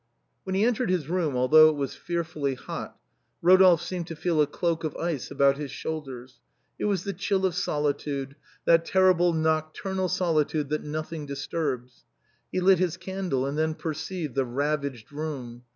When he entered his room, although it was fearfully hot, Eodolphe seemed to feel a cloak of ice about his shoulders. It was the chill of solitude, that terrible nocturnal solitude that nothing disturbs. He lit his candle, and then perceived the ravaged room.